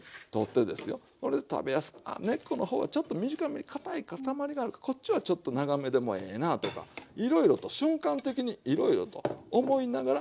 これで食べやすくあ根っこの方はちょっと短めにかたい塊があるからこっちはちょっと長めでもええなあとかいろいろと瞬間的にいろいろと思いながら盛りつけるわけです。